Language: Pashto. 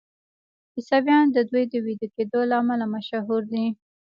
عیسویان د دوی د ویده کیدو له امله مشهور دي.